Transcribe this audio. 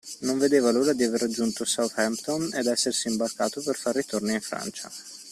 Non vedeva l'ora d'aver raggiunto Southampton e d'essersi imbarcato per far ritorno in Francia.